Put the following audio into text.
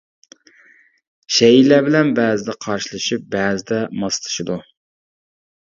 شەيئىلەر بىلەن بەزىدە قارشىلىشىپ، بەزىدە ماسلىشىدۇ.